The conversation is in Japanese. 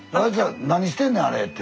「何してんねんあれ」って。